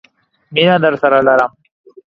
مینه درسره لرم!